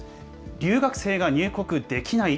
留学生が入国できない？